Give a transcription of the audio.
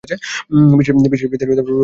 বিশ্বাসী ভৃত্যের প্রভুভক্তিই তাঁহার আদর্শ।